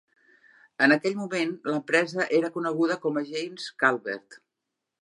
En aquell moment l'empresa era coneguda com a James Calvert.